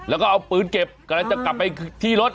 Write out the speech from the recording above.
แล้วก็เอาปืนเก็บกำลังจะกลับไปที่รถ